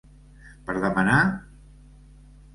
Per demanar.?